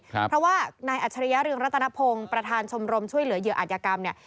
เพราะว่านายอัจฉริยะเรืองรัตนพงศ์ประธานชมรมช่วยเหลือเหยื่ออาจยากรรมเนี่ย